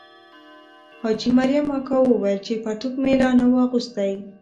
حاجي مریم اکا وویل چې پرتوګ مې لا نه وو اغوستی.